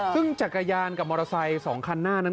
ซึ่งจักรยานกับมอเตอร์ไซค์๒คันหน้านั้น